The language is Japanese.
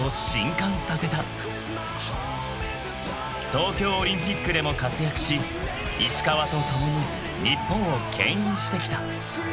［東京オリンピックでも活躍し石川と共に日本をけん引してきた］